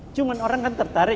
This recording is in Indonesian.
cuma orang kan tertarik